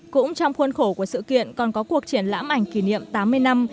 cũng trong khuôn khổ của sự kiện còn có cuộc triển lãm ảnh kỷ niệm tám mươi năm